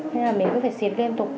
nên là mình cứ phải xịt liên tục thôi